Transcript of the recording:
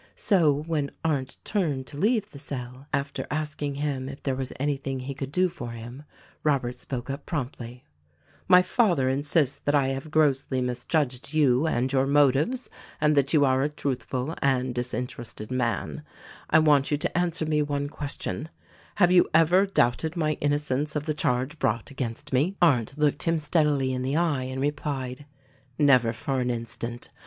So, when Arndt turned to leave the cell, after asking him if there was anything he could do for him, Robert spoke up promptly: "My father insists that I have grossly mis judged you and your motives and that you are a truthful and disinterested man; I want you to answer me one ques tion — Have you ever doubted my innocence of the charge brought against me?" Arndt looked him steadily in the eye and replied : "Never for an instant.